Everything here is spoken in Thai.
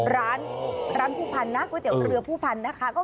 ร้านผู้พันนะคือแพร่เข้ารื้อผู้พันนะคะ